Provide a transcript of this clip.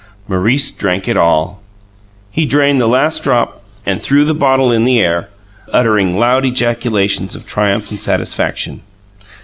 Maurice drank it all! He drained the last drop and threw the bottle in the air, uttering loud ejaculations of triumph and satisfaction.